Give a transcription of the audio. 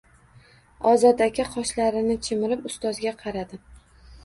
Ozod aka qoshlarini chimirib ustozga qaradi: